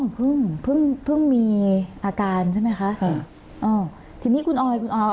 อ๋อเพิ่งพึ่งพึ่งมีอาการใช่ไหมคะอ่าอ๋อทีนี้คุณออยคุณออย